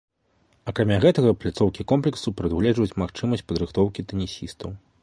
Акрамя гэтага, пляцоўкі комплексу прадугледжваюць магчымасць падрыхтоўкі тэнісістаў.